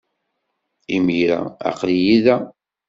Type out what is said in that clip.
Imir-a, aql-iyi da.